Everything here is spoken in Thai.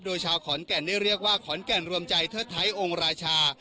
โดยชาวขอนแก่นได้เรียกว่าขอนแก่นรวมใจเทิดไทยองค์ราชา